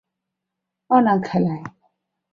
奥兰克莱。